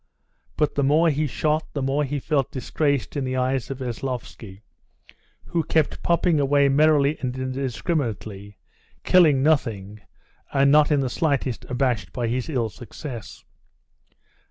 But the more he shot, the more he felt disgraced in the eyes of Veslovsky, who kept popping away merrily and indiscriminately, killing nothing, and not in the slightest abashed by his ill success.